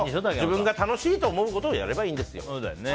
自分が楽しいと思うことをやればいいんですよ。